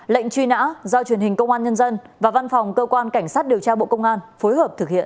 lệnh truy nã do truyền hình công an nhân dân và văn phòng cơ quan cảnh sát điều tra bộ công an phối hợp thực hiện